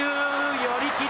寄り切り！